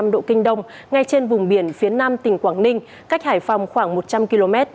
một trăm linh độ kinh đông ngay trên vùng biển phía nam tỉnh quảng ninh cách hải phòng khoảng một trăm linh km